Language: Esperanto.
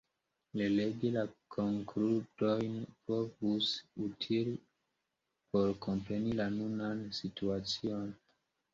Relegi la konkludojn povus utili por kompreni la nunan situacion.